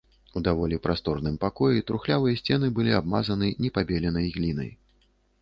У даволі прасторным пакоі трухлявыя сцены былі абмазаны непабеленай глінай.